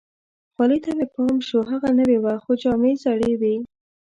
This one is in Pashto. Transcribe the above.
خولۍ ته مې پام شو، هغه نوې وه، خو جامې زړې وي.